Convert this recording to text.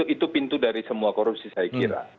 itu pintu dari semua korupsi saya kira